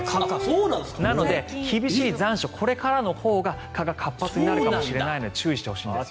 なので、厳しい残暑これからのほうが蚊が活発になるかもしれないので注意してほしいんです。